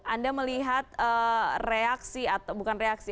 anda melihat reaksi atau bukan reaksi